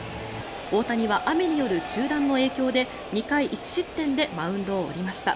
大谷は雨による中断の影響で２回１失点でマウンドを降りました。